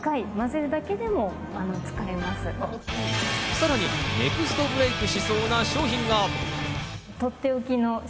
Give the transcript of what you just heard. さらにネクストブレイクしそうな商品が。